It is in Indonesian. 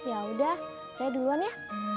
ya udah saya duluan ya